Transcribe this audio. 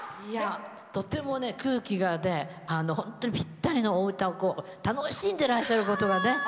とても空気が本当にぴったりなお歌を楽しんでらっしゃることが。